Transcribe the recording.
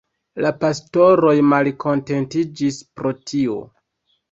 La pastoroj malkontentiĝis pro tio.